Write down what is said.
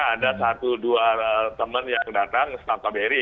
ada satu dua teman yang datang staf kbri